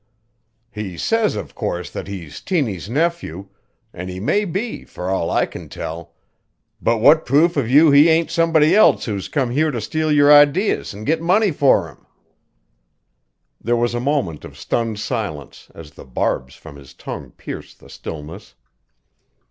He says, of course, that he's Tiny's nephew, an' he may be, fur all I can tell; but what proof have you he ain't somebody else who's come here to steal your ideas an' get money for 'em?" There was a moment of stunned silence, as the barbs from his tongue pierced the stillness.